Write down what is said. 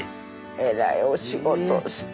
えらいお仕事して。